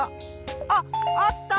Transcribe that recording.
あっあった！